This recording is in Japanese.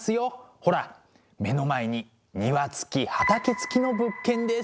ほら目の前に庭付き畑付きの物件です！